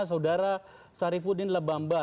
saudara sarifudin lebamba